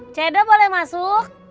c edo boleh masuk